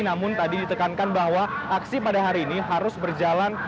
namun tadi ditekankan bahwa aksi pada hari ini harus berjalan